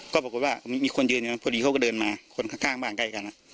ก็ปรากฏว่ามีคนยืนอยู่พอดีเขาก็เดินมาคนข้างบ้านใกล้กัน